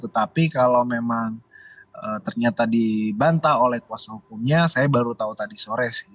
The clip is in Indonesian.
ternyata dibantah oleh kuasa hukumnya saya baru tahu tadi sore sih